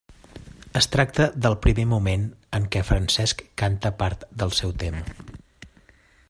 Es tracta del primer moment en què Francesc canta part del seu tema.